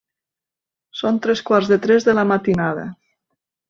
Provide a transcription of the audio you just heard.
Són tres quarts de tres de la matinada.